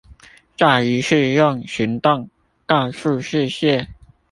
再一次用行動告訴世界